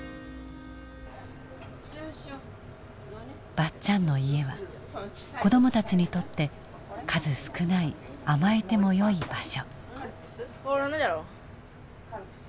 ばっちゃんの家は子どもたちにとって数少ない甘えてもよい場所。